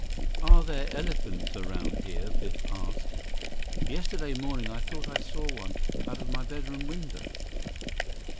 "Are there elephants around here?" Biff asked. "Yesterday morning I thought I saw one out of my bedroom window."